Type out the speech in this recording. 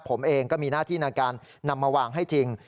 ผมเองก็มีหน้าที่ในการนำมาวางให้จริง